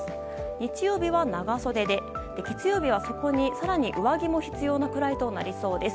日曜日は長袖で、月曜日はそこに更に上着も必要なくらいとなりそうです。